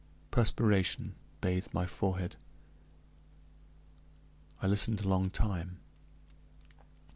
Perspiration bathed my forehead. I listened a long time.